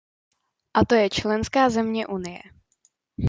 A to je členská země Unie.